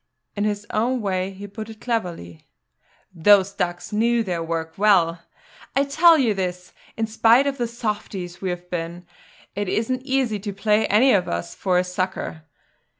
In his own way he put it cleverly: "Those ducks knew their work well. I tell you this, in spite of the softies we have been, it isn't easy to play any of us for a sucker.